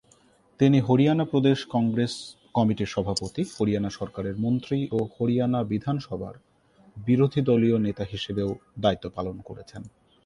তিনি হরিয়ানা প্রদেশ কংগ্রেস কমিটির সভাপতি, হরিয়ানা সরকারের মন্ত্রী ও হরিয়ানা বিধানসভার বিরোধীদলীয় নেতা হিসেবেও দায়িত্ব পালন করেছেন।